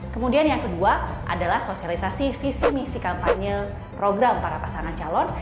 kemudian yang kedua adalah sosialisasi visi misi kampanye program para pasangan calon